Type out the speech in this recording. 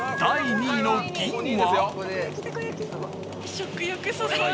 ２位の銀は。